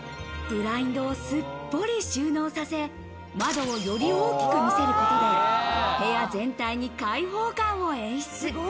ブラインドをすっぽり収納させ、窓をより大きく見せることで、部屋全体に開放感を演出。